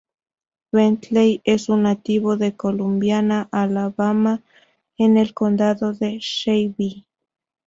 Bentley es un nativo de Columbiana, Alabama; en el Condado de Shelby.